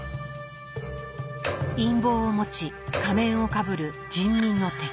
「陰謀」を持ち「仮面」をかぶる「人民の敵」。